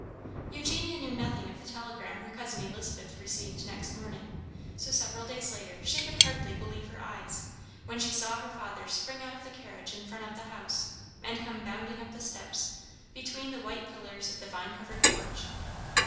Eugenia knew nothing of the telegram her Cousin Elizabeth received next morning, so several days later she could hardly believe her eyes, when she saw her father spring out of the carriage in front of the house, and come bounding up the steps, between the white pillars of the vine covered porch.